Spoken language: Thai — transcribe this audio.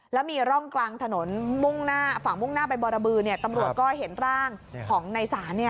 แล้วมีร่องกลางถนนมุ่งหน้าฝั่งมุ่งหน้าไปบรบือตำรวจก็เห็นร่างของในศาล